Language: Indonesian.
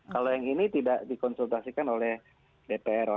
kalau yang ini tidak dikonsultasikan oleh dpr